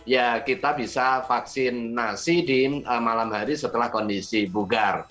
ya kita bisa vaksinasi di malam hari setelah kondisi bugar